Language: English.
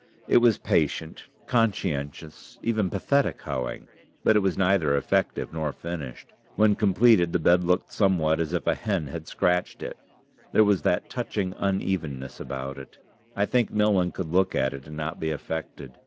It was patient, conscientious, even pathetic hoeing; but it was neither effective nor finished. When completed, the bed looked somewhat as if a hen had scratched it; there was that touching unevenness about it. I think no one could look at it and not be affected.